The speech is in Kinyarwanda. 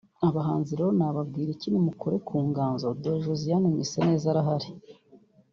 Abahanzi rero nababwira iki … nimukore ku nganzo dore Josiane Mwiseneza arahari